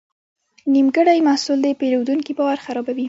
نیمګړی محصول د پیرودونکي باور خرابوي.